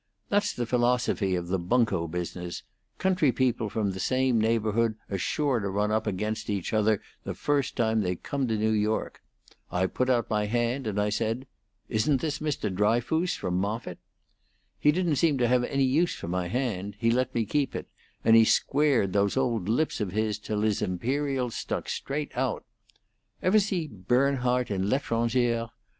That's the philosophy of the bunco business; country people from the same neighborhood are sure to run up against each other the first time they come to New York. I put out my hand, and I said, 'Isn't this Mr. Dryfoos from Moffitt?' He didn't seem to have any use for my hand; he let me keep it, and he squared those old lips of his till his imperial stuck straight out. Ever see Bernhardt in 'L'Etrangere'?